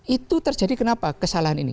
itu terjadi kenapa kesalahan ini